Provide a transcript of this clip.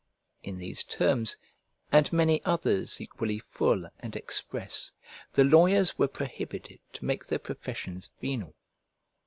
In these terms, and many others equally full and express, the lawyers were prohibited to make their professions venal.